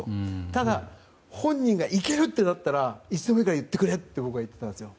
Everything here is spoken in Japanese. ただ、本人がいける！となったらいつでもいいから言ってくれと僕は言ってたんですよ。